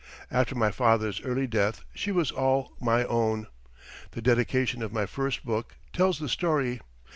After my father's early death she was all my own. The dedication of my first book tells the story.